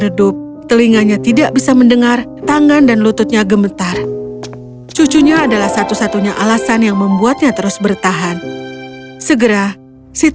aku akan mulai mandi